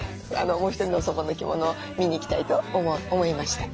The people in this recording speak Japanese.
もう一人の祖母の着物を見に行きたいと思いました。